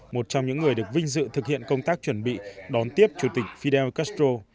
một trong những người được vinh dự thực hiện công tác chuẩn bị đón tiếp chủ tịch fidel castro